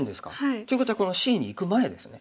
っていうことはこのＣにいく前ですよね。